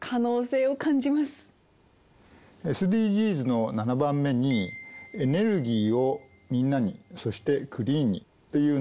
ＳＤＧｓの７番目に「エネルギーをみんなにそしてクリーンに」というのがあります。